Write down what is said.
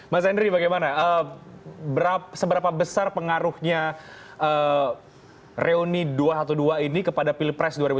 mas henry bagaimana seberapa besar pengaruhnya reuni dua ratus dua belas ini kepada pilpres dua ribu sembilan belas